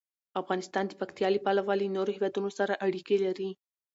افغانستان د پکتیا له پلوه له نورو هېوادونو سره اړیکې لري.